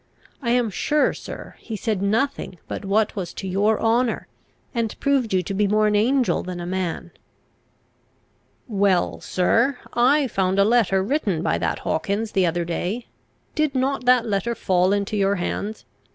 I am sure, sir, he said nothing but what was to your honour, and proved you to be more an angel than a man." "Well, sir: I found a letter written by that Hawkins the other day; did not that letter fall into your hands?